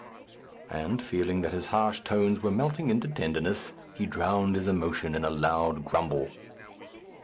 And feeling that his harsh tones were melting into tenderness, he drowned his emotion in a loud grumble.